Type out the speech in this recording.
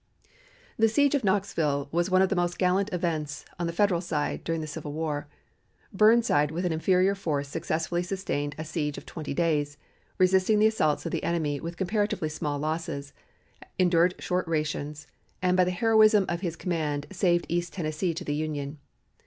The siege of Knoxville was one of the most gallant events on the Federal side during the Civil War. Burnside with an inferior force successfully sustained a siege of twenty days, resisting the assaults of the enemy with comparatively small losses, endured short rations, and by the heroism of his command saved East Tennessee to the Union.